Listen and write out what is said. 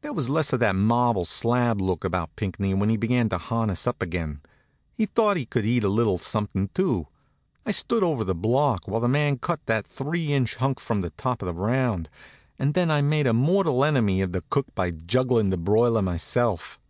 There was less of that marble slab look about Pinckney when he began to harness up again. He thought he could eat a little something, too. I stood over the block while the man cut that three inch hunk from the top of the round, and then I made a mortal enemy of the cook by jugglin' the broiler myself.